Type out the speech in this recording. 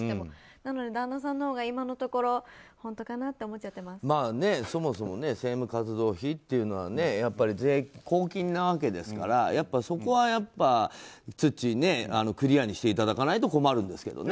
なので旦那さんのほうが今のところそもそも政務活動費は公金なわけですからやっぱり、そこはツッチークリアにしていただかないと困るんですけどね。